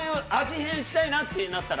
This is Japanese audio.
変したいなってなったら。